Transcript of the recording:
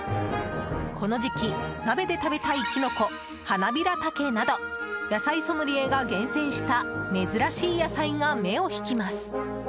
この時期、鍋で食べたいキノコハナビラタケなど野菜ソムリエが厳選した珍しい野菜が目を引きます。